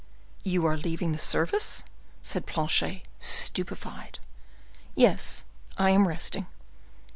"You are leaving the service?" said Planchet, stupefied. "Yes, I am resting."